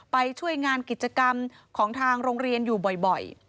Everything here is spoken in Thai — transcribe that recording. ไปช่วยงานกิจกรรมของทางโรงเรียนอยู่บ่อย